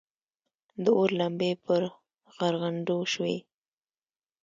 د اور لمبې پر غرغنډو شوې.